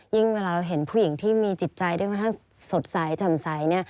เวลาเราเห็นผู้หญิงที่มีจิตใจที่ค่อนข้างสดใสจำใส